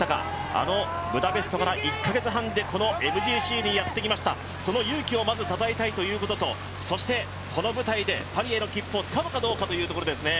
あのブダペストから１か月半でこのＭＧＣにやってきました、その勇気をまずたたえたいということとそしてこの舞台でパリへの切符をつかむかというところですね。